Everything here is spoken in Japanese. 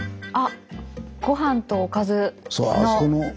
あっごはんとおかずの。